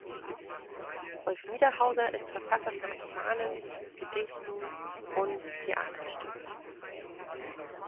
Rolf Niederhauser ist Verfasser von Romanen, Gedichten und Theaterstücken.